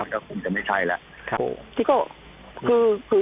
ก็คงจะไม่ใช่แล้ว